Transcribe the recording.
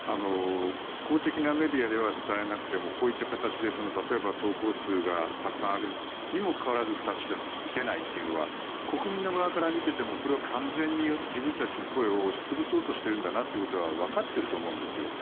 公的なメディアでは伝えなくてもこういった形で投稿数がたくさんあるにもかかわらず２つしか出ないというのは国民の側から見ていても完全に自分たちの声を押し潰そうとしているんだなということは分かっていると思うんです。